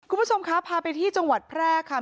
คุณผู้ชมคะพาไปที่จังหวัดแพร่ค่ะ